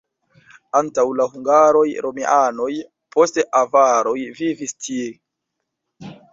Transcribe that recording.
Antaŭ la hungaroj romianoj, poste avaroj vivis tie.